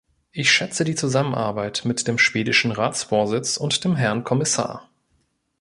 Ich schätze die Zusammenarbeit mit dem schwedischen Ratsvorsitz und dem Herrn Kommissar.